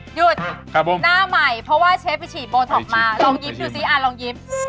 หยุดหน้าใหม่เพราะว่าเชฟไปฉีดโบท็อกมาลองยิ้มดูซิลองยิ้ม